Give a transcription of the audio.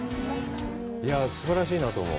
すばらしいなと思う。